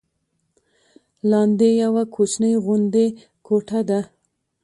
لاندې یوه کوچنۍ غوندې کوټه ده.